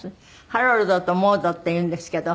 『ハロルドとモード』っていうんですけど。